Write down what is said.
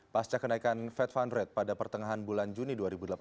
pasca kenaikan fed fund rate pada pertengahan bulan juni dua ribu delapan belas